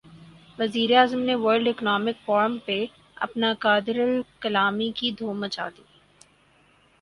وزیر اعظم نے ورلڈ اکنامک فورم پہ اپنی قادرالکلامی کی دھوم مچا دی۔